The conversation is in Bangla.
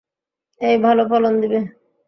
এটা ভালো ফলন দিবে।